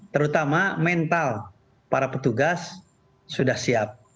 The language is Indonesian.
terutama mental para petugas sudah siap